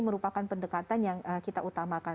merupakan pendekatan yang kita utamakan